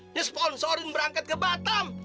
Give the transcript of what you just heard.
nesponsorin berangkat ke batam